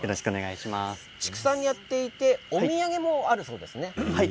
畜産をやっていてお土産もあるそうですね。